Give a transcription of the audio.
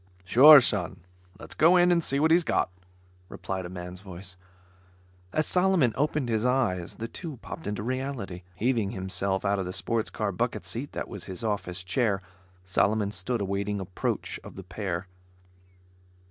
"Sure, Son, let's go in and see what he's got," replied a man's voice. As Solomon opened his eyes, the two popped into reality. Heaving himself out of the sports car bucket seat that was his office chair, Solomon stood awaiting approach of the pair.